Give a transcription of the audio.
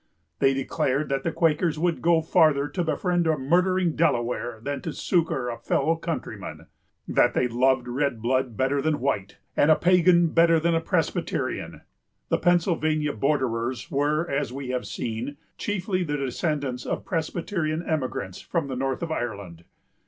They declared that the Quakers would go farther to befriend a murdering Delaware than to succor a fellow countryman; that they loved red blood better than white, and a pagan better than a Presbyterian. The Pennsylvania borderers were, as we have seen, chiefly the descendants of Presbyterian emigrants from the north of Ireland.